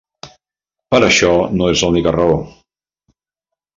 Però això no és l'única raó.